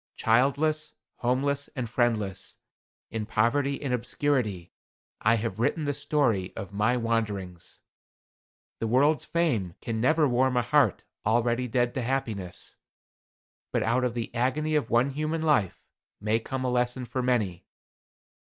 Childless, homeless and friendless, in poverty and obscurity, I have written the story of my wanderings. The world's fame can never warm a heart already dead to happiness; but out of the agony of one human life, may come a lesson for many.